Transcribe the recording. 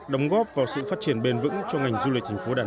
đóng góp vào sự phát triển bền vững cho ngành du lịch thành phố đà nẵng